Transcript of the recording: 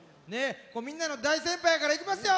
みんなの大先輩から行きますよ。